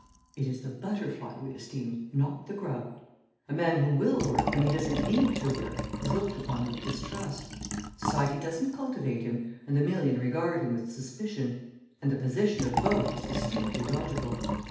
It is the butterfly we esteem, not the grub. A man who will work when he doesn't need to work, is looked upon with distrust. Society doesn't cultivate him, and the million regard him with suspicion, and the position of both is distinctly logical.